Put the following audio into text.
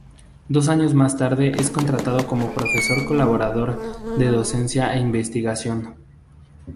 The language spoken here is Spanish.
Dos años más tarde es contratado como Profesor Colaborador de Docencia e Investigación.